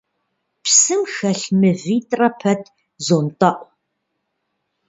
Псым хэлъ мывитӀрэ пэт зонтӀэӀу.